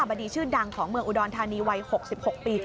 บดีชื่อดังของเมืองอุดรธานีวัย๖๖ปี